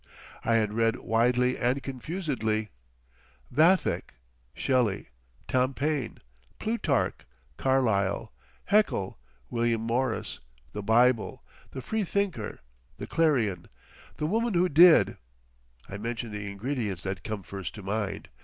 I had read widely and confusedly "Vathek," Shelley, Tom Paine, Plutarch, Carlyle, Haeckel, William Morris, the Bible, the Freethinker, the Clarion, "The Woman Who Did,"—I mention the ingredients that come first to mind.